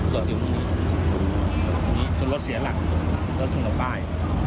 โดดอยู่ตรงนี้จนรถเสียหลังรถสุ่มต่อใต้